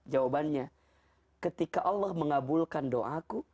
jawabannya ketika allah mengabulkan doaku